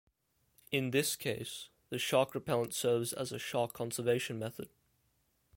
In this case, the shark repellent serves as a shark conservation method.